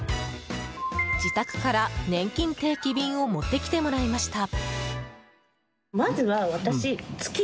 自宅から、ねんきん定期便を持ってきてもらいました。